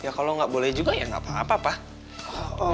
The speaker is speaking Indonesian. ya kalau nggak boleh juga ya nggak apa apa